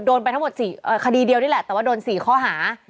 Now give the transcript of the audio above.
โดนไปทั้งหมด๔คดีเดียวนี่แหละแต่ว่าโดน๔ข้อหา